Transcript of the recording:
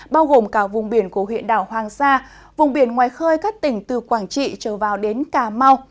bao gồm cả vùng biển của huyện đảo hoàng sa vùng biển ngoài khơi các tỉnh từ quảng trị trở vào đến cà mau